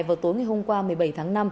vào tối ngày hôm qua một mươi bảy tháng năm